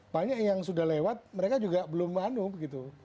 banyak yang sudah lewat mereka juga belum anu begitu